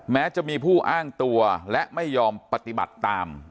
แม้จะมีผู้อ้างตัวและไม่ยอมปฏิบัติตาม